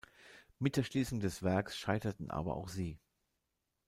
Mit der Schließung des Werks scheiterten aber auch sie.